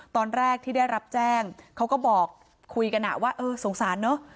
ตอนแรกที่ได้รับแจ้งเขาก็บอกคุยกันว่าเออสงสารเนอะ